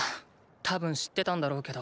たぶん知ってたんだろうけど。